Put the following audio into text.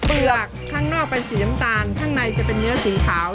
เปลือกข้างนอกเป็นสีน้ำตาลข้างในจะเป็นเนื้อสีขาว